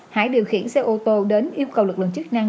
hải điều khiển xe ô tô đến yêu cầu lực lượng chức năng